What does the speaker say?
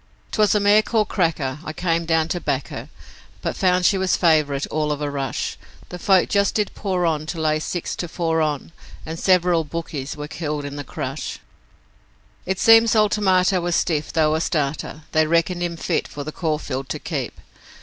''Twas a mare called the Cracker, I came down to back her, But found she was favourite all of a rush, The folk just did pour on to lay six to four on, And several bookies were killed in the crush. 'It seems old Tomato was stiff, though a starter; They reckoned him fit for the Caulfield to keep.